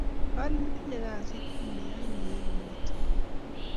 kalin itinye kasit neyain iekumetakuu